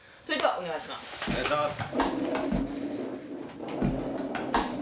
お願いします。